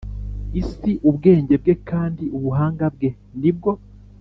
Isi ubwenge bwe kandi ubuhanga bwe ni bwo